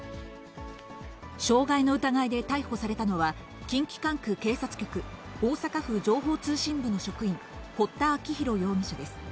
傷害の疑いで逮捕されたのは、近畿管区警察局大阪府情報通信部の職員、堀田晶弘容疑者です。